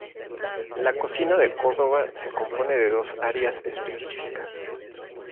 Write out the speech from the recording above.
La cocina de Córdoba se compone de dos áreas específicas.